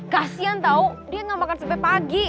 kasian tau dia gak makan sampe pagi